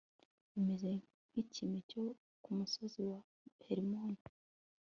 bimeze nk'ikime cyo ku musozi wa herimoni